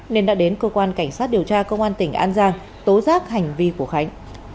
nên đã đến cơ quan cảnh sát điều tra công an tỉnh an giang tố giác hành vi của khánh